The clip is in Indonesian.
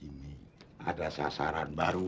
ini ada sasaran baru